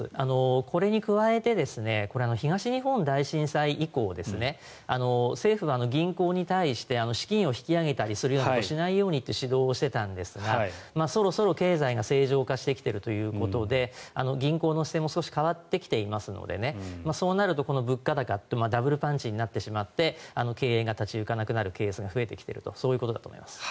これに加えて、東日本大震災以降政府は銀行に対して資金を引き揚げたりするようなことをしないようにという指導をしていたんですがそろそろ経済が正常化してきているということで銀行の姿勢も少し変わってきていますのでそうするとこの物価高とダブルパンチになってしまって経営が立ち行かなくなるケースが増えてきているとそういうことだと思います。